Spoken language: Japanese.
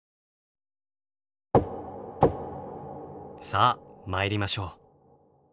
さあ参りましょう。